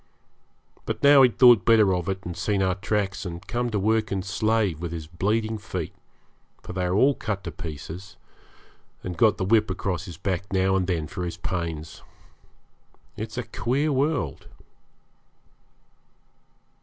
But now he had thought better of it, and seen our tracks and come to work and slave, with his bleeding feet for they were cut all to pieces and got the whip across his back now and then for his pains. It's a queer world!